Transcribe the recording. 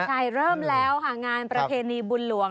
ใช่เริ่มแล้วค่ะงานประเพณีบุญหลวง